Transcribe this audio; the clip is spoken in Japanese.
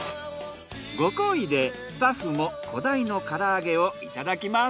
ご厚意でスタッフもコダイの唐揚げをいただきます。